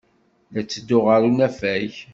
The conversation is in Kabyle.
La ttedduɣ ɣer unafag.